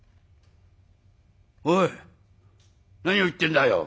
おい何を言ってんだよ？